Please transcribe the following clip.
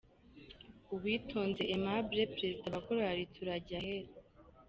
Uwitonze Aimable Perezida wa Korali Turajyahera.